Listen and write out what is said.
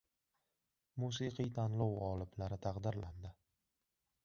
Musiqiy tanlov g‘oliblari taqdirlandi